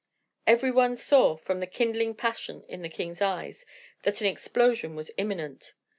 Every one saw, from the kindling passion in the king's eyes, that an explosion was imminent.